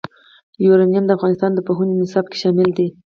یورانیم د افغانستان د پوهنې نصاب کې شامل دي.